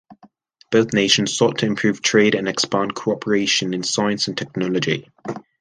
Both nations sought to improve trade and expand cooperation in science and technology.